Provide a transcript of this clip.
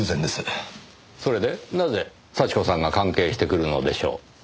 それでなぜ幸子さんが関係してくるのでしょう？